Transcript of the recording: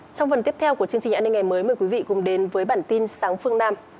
trong phần tiếp theo của chương trình an ninh ngày mới mời quý vị cùng đến với bản tin sáng phương nam